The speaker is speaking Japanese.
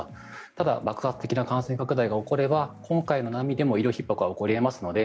ただ爆発的な感染拡大が起これば今回の波でも医療ひっ迫は起こり得ますので